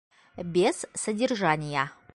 Без содержания.